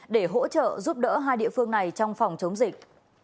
để hỗ trợ giúp đỡ hai địa phương này trong phòng chống dịch